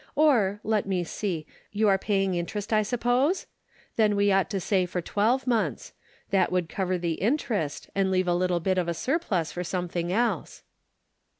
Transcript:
Or, let me see ; you are paying interest, I suppose ? Then we ought to say for twelve months ; that would cover the interest and leave a little bit of a surplus for something else."